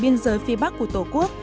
biên giới phía bắc của tổ quốc